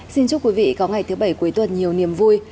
xin chúc quý vị có ngày thứ bảy cuối tuần nhiều niềm vui